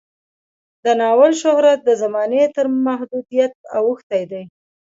د ناول شهرت د زمانې تر محدودیت اوښتی دی.